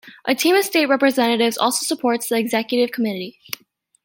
A team of State Representatives also supports the Executive Committee.